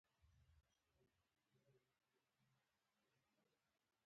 وه! اسمعیله ظالمه، تا خو ویل چې درس دی.